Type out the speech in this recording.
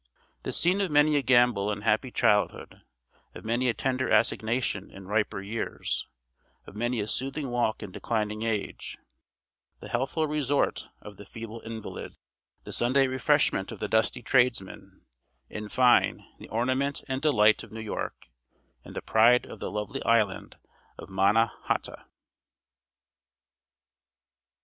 The scene of many a gambol in happy childhood of many a tender assignation in riper years of many a soothing walk in declining age the healthful resort of the feeble invalid the Sunday refreshment of the dusty tradesman in fine, the ornament and delight of New York, and the pride of the lovely island of Manna hata.